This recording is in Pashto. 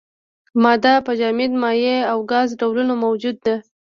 ماده په جامد، مایع او ګاز ډولونو موجوده ده.